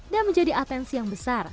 dan menjadi atensi yang besar